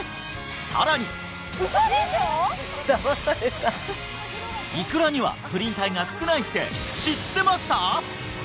さらにイクラにはプリン体が少ないって知ってました！？